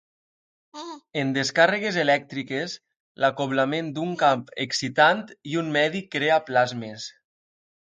En descàrregues elèctriques, l'acoblament d'un camp excitant i un medi crea plasmes.